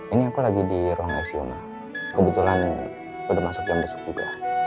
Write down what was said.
ini aku lagi di ruang icu mah kebetulan udah masuk jam besok juga